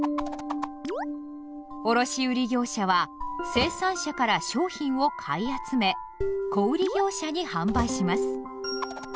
卸売業者は生産者から商品を買い集め小売業者に販売します。